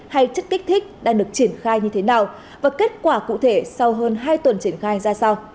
hay chất kích thích đang được triển khai như thế nào và kết quả cụ thể sau hơn hai tuần triển khai ra sao